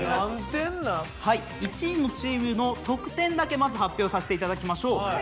はい１位のチームの得点だけまず発表させていただきましょう。